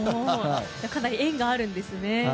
かなり縁があるんですね。